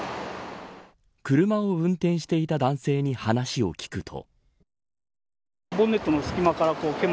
車を運転していた男性に話を聞くと。